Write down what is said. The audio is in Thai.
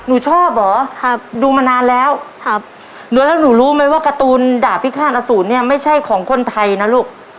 หนูชอบเหรอครับดูมานานแล้วครับแล้วหนูรู้ไหมว่าการ์ตูนดาบพิฆาตอสูรเนี่ยไม่ใช่ของคนไทยนะลูก